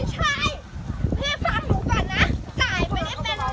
สวัสดีครับคุณพลาด